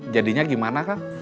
jadinya gimana kang